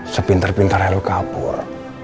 sepintar pintar yang lo kabur